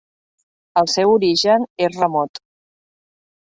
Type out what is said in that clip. El seu origen és remot.